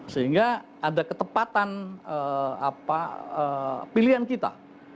sehingga ada ketepatan pilihan kita